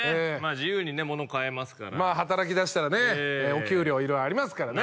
自由にね物買えますから働きだしたらねお給料色々ありますからね